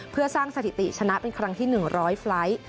เพื่อสร้างสถิติชนะเป็นครั้งที่๑๐๐ไฟล์ท